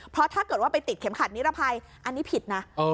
เพราะถ้าเกิดว่าไปติดเข็มขัดนิรภัยอันนี้ผิดนะ